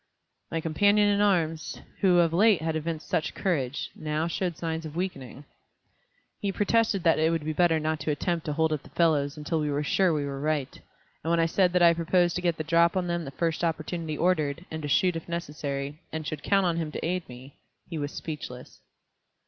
My companion in arms, who of late had evinced such courage, now showed signs of weakening. He protested that it would be better not to attempt to hold up the fellows until we were sure we were right, and when I said that I proposed to get the drop on them the first opportunity offered, and to shoot if necessary, and should count on him to aid me, he was speechless.